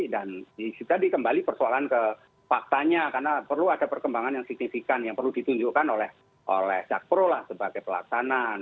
dan kita dikembali persoalan ke faktanya karena perlu ada perkembangan yang signifikan yang perlu ditunjukkan oleh jakpro lah sebagai pelaksanaan